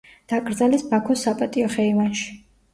დაკრძალეს ბაქოს საპატიო ხეივანში.